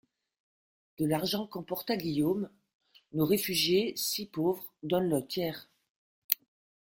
De l'argent qu'emporta Guillaume, nos réfugiés, si pauvres, donnent le tiers.